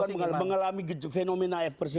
bukan mengalami fenomena f persekusi